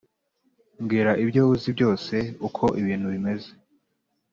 mbwira ibyo uzi byose uko ibintu bimeze.